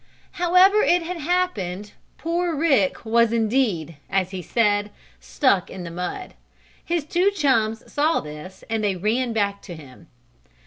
However it had happened poor Rick was indeed, as he said, stuck in the mud. His two chums saw this as they ran back to him.